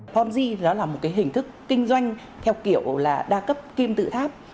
ponzi đó là một cái hình thức kinh doanh theo kiểu là đa cấp kim tự tháp